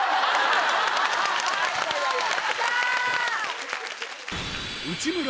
やった！